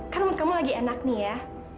kan kamu lagi enak nih ya